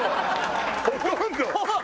ほとんど。